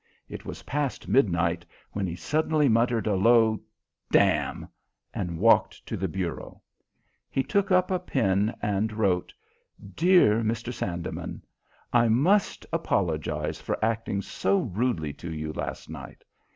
It was past midnight when he suddenly muttered a low "Damn!" and walked to the bureau. He took up a pen and wrote: "Dear Mr. Sandeman, I must apologize for acting so rudely to you last night.